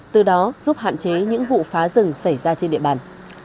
từ đó giúp hạn chế những vụ phá rừng xảy ra trên địa bàn